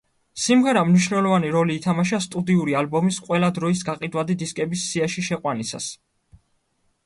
სიმღერამ მნიშვნელოვანი როლი ითამაშა სტუდიური ალბომის ყველა დროის გაყიდვადი დისკების სიაში შეყვანისას.